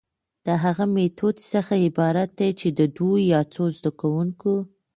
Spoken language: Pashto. د هغه ميتود څخه عبارت دي چي د دوو يا څو زده کوونکو،